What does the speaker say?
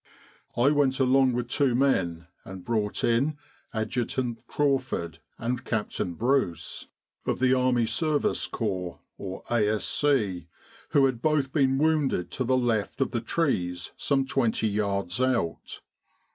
I went along with two men and brought in Adjutant Crawford and Captain Bruce, A.S.C., who had both been wounded to the left of the trees some twenty yards out.